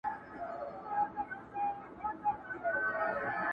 چي عبرت سي بل نا اهله او ګمراه ته,